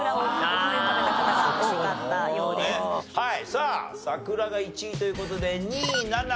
さあ桜が１位という事で２７８。